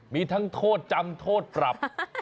มีทั้งโทษจำโทษปรับ